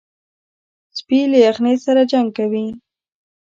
سپي له یخنۍ سره جنګ کوي.